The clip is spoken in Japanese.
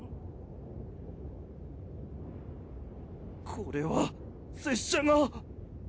これは拙者が？